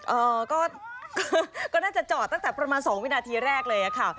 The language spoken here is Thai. เอ่อก็น่าจะจอตั้งแต่ประมาณ๒วินาทีแรกเลยอะค่ะ